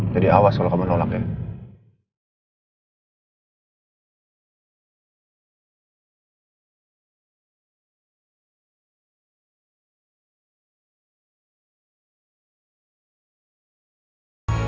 jadi awas kalau kamu menolak nih